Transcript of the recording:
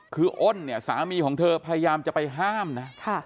คืออ้นเนี่ยสามีของเธอพยายามจะไปห้ามนะ